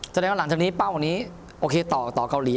จะได้ว่าหลังจากนี้เป้านี้ต่อกับเกาหลี